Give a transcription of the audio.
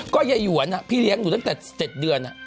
ก็เยอร์วอนค่ะพี่เหลียกอยู่ตั้งแต่๗เดือน